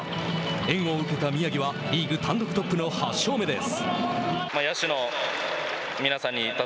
援護を受けた宮城はリーグ単独トップの８勝目です。